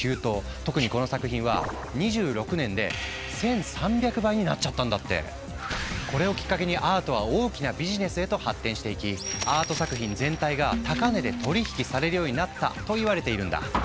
特にこの作品は２６年でこれをきっかけにアートは大きなビジネスへと発展していきアート作品全体が高値で取り引きされるようになったといわれているんだ。